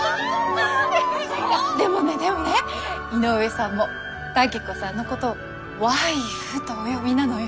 でもねでもね井上さんも武子さんのことを「ワイフ」とお呼びなのよ。